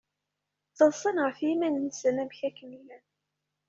Ttaḍsan ɣef yiman-nsen amek akken llan.